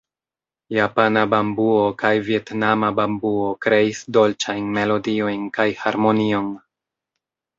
Japana bambuo kaj vjetnama bambuo kreis dolĉajn melodiojn kaj harmonion.